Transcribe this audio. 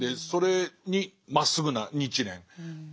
それにまっすぐな日蓮。